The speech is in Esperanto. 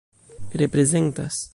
reprezentas